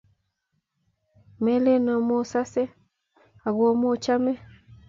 melen omu osose, ako omu ochome